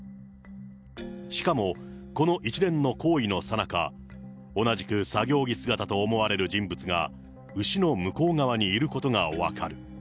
しかも、この一連の行為のさなか、同じく作業着姿と思われる人物が、牛の向こう側にいることが分かる。